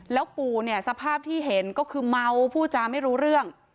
แล้วปู่เนี่ยสภาพที่เห็นก็คือเมาผู้จาไม่รู้เรื่อง